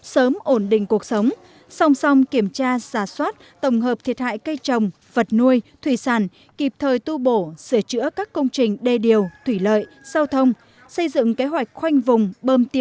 sớm ổn định và tốt đẹp